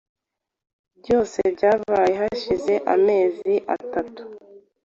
Byose byabaye hashize amezi atatu.